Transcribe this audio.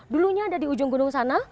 dulunya ada di ujung gunung sana